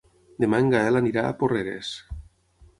Demà en Gaël anirà a Porreres.